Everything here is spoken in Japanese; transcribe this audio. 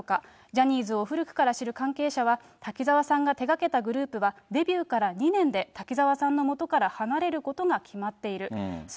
ジャニーズを古くから知る関係者は、滝沢さんが手がけたグループは、デビューから２年で滝沢さんのもとから離れることが決まっている。